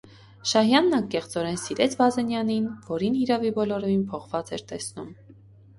Շահյանն անկեղծորեն սիրեց Բազենյանին, որին, հիրավի, բոլորովին փոխված էր տեսնում: